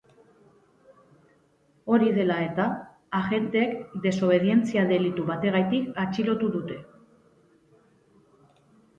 Hori dela eta, agenteek desobedientzia delitu bategatik atxilotu dute.